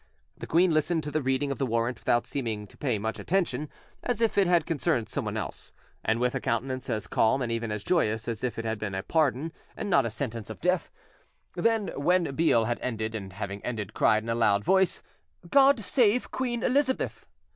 The queen listened to the reading of the warrant without seeming to pay much attention, as if it had concerned someone else, and with a countenance as calm and even as joyous as if it had been a pardon and not a sentence of death; then, when Beale had ended, and having ended, cried in a loud voice, "God save Queen Elizabeth!"